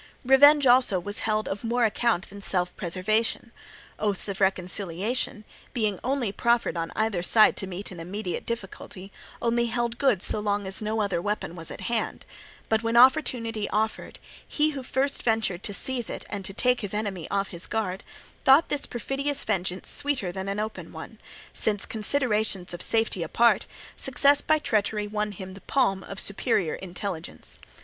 Revenge also was held of more account than self preservation. Oaths of reconciliation, being only proffered on either side to meet an immediate difficulty, only held good so long as no other weapon was at hand; but when opportunity offered, he who first ventured to seize it and to take his enemy off his guard, thought this perfidious vengeance sweeter than an open one, since, considerations of safety apart, success by treachery won him the palm of superior intelligence.